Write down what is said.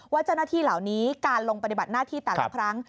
เจ้าหน้าที่เหล่านี้การลงปฏิบัติหน้าที่แต่ละครั้ง